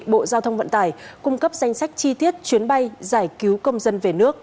bộ giao thông vận tải cung cấp danh sách chi tiết chuyến bay giải cứu công dân về nước